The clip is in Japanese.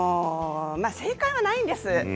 正解はないんです。